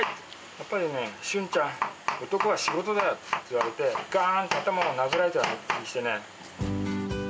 やっぱりね、俊ちゃん、男は仕事だよって言われて、がーんって頭を殴られたような気がしてね。